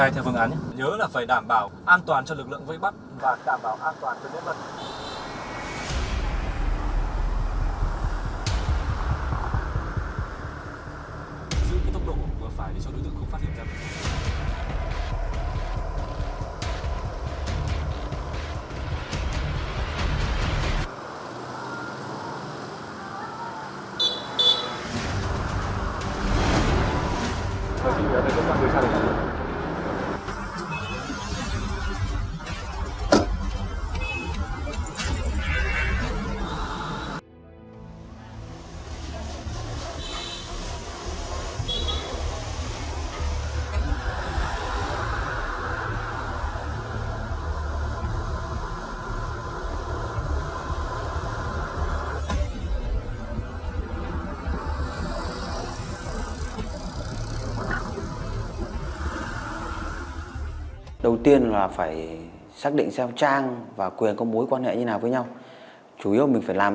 tại sao một thời gian mình cũng thể bỏ mình còn tương lai